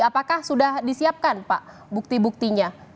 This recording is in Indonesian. apakah sudah disiapkan pak bukti buktinya